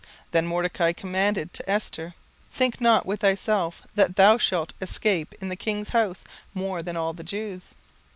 17:004:013 Then Mordecai commanded to answer Esther, Think not with thyself that thou shalt escape in the king's house, more than all the Jews.